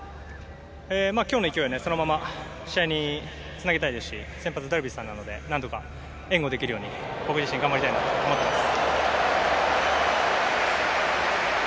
今日の勢いをそのまま試合につなげたいですし先発、ダルビッシュさんなので、なんとか援護できるように僕自身思っています。